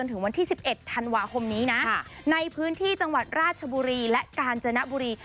ถึงวันที่๑๑ธันวาคมนี้นะในพื้นที่จังหวัดราชบุรีและกาญจนบุรี